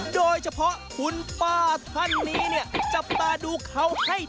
โดยเฉพาะคุณป้าท่านนี้เนี่ยจับตาดูเขาให้ดี